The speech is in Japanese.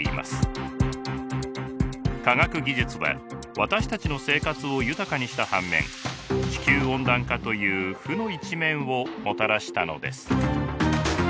科学技術は私たちの生活を豊かにした反面地球温暖化という負の一面をもたらしたのです。